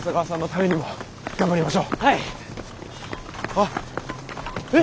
あっ。えっ？